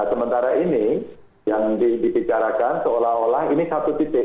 sementara ini yang dibicarakan seolah olah ini satu titik